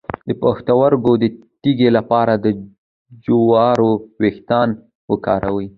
د پښتورګو د تیږې لپاره د جوارو ویښتان وکاروئ